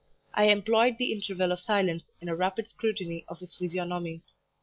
I employed the interval of silence in a rapid scrutiny of his physiognomy.